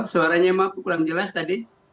suaranya emang kurang jelas tadi